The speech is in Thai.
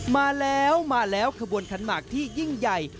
มาแล้วขบวนขันหมากที่ยิ่งใหญ่